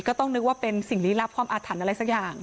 ก็ต้องนึกว่าเป็นสิ่งลี้ลับความอาถรรพ์อะไรสักอย่าง